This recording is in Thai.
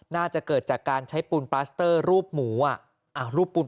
น่าจะเกิดจากการใช้ปูนปลาสเตอร์รูปหมูอ่ะรูปปูน